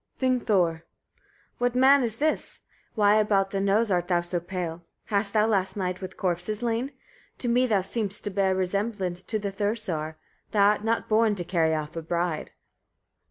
Vingthor. 2. What man is this? Why about the nose art thou so pale? Hast thou last night with corpses lain? To me thou seemst to bear resemblance to the Thursar. Thou art not born to carry off a bride.